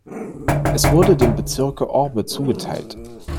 Es wurde dem Bezirk Orbe zugeteilt.